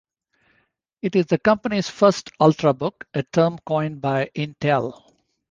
It is the company's first Ultrabook, a term coined by Intel.